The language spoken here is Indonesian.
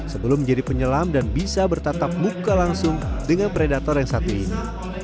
sebelum menjadi penyelam dan bisa bertatap muka langsung dengan predator yang satu ini